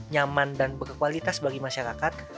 nyaman dan berkualitas bagi masyarakat